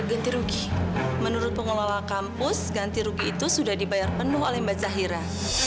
ganti rugi menurut pengelola kampus ganti rugi itu sudah dibayar penuh oleh mbak zahira